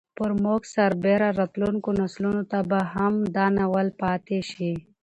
پر موږ سربېره راتلونکو نسلونو ته به هم دا ناول پاتې شي.